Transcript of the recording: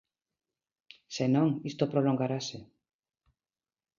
Se non, isto prolongarase.